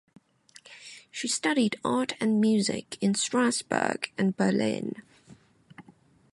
She studied art and music in Strasbourg and Berlin.